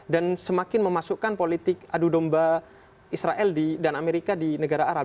dan semakin memasukkan politik adu domba israel dan amerika di negara arab